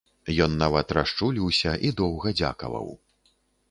Ён нават расчуліўся і доўга дзякаваў.